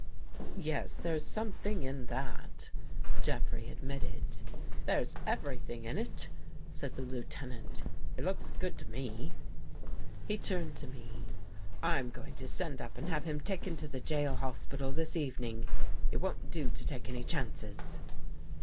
" Yes, there's something in that," Jeffrey admit ted. " There's everything in it," said the Lieutenant. " It looks good to me." He turned to me. " I'm going to send up and have him taken to the jail hospital this evening. It won't do to take any chances."